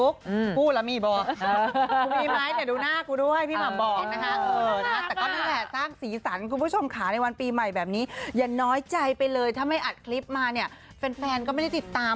ก็เต็มทุกคนนั่นแหละ